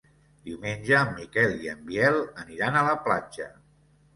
Diumenge en Miquel i en Biel aniran a la platja.